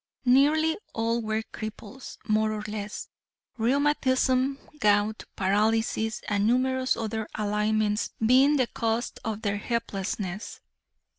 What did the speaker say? Nearly all were cripples, more or less; rheumatism, gout, paralysis and numerous other ailments being the cause of their helplessness.